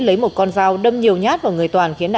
lấy một con dao đâm nhiều nhát vào người toàn